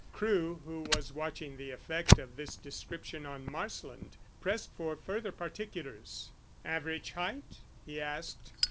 Crewe, who was watching the effect of this description on Marsland, pressed for further particulars. "Average height?" he asked.